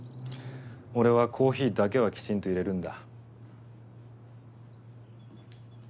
俺はコーヒーだけはきちんといれるんだ。